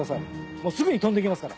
もうすぐに飛んできますから。